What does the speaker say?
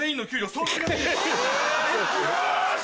よし！